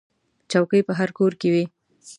چوکۍ په هر کور کې وي.